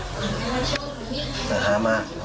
เป็นพี่เป็นน้องกันโตมาด้วยกันตั้งแต่แล้ว